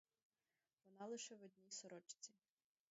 Вона лише в одній сорочці.